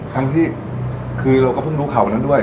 ทั้งที่คือเราก็เพิ่งรู้ข่าววันนั้นด้วย